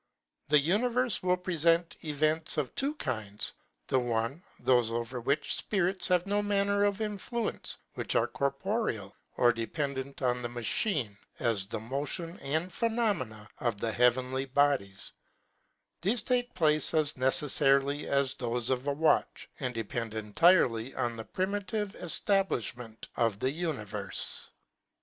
The univerfe will prefent events of two kinds ; the one, thofe over which fpirits have no manner of influence, which are corporeal, or dependant on the machine, as the motion and phenomena of the hea venly bodies ; thefe take place as neceffarily as thofe of a watch, and depend entirely on the primitive eftablifhment of the univerfe.